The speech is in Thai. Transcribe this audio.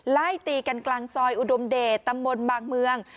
ไล่ตีกันกลางซอยอุดมเดชตำบลบางเมือง